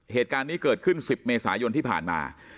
เหตุการณ์นี้เกิดขึ้น๑๐เมษายนที่ผ่านมา